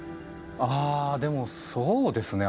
あでもそうですね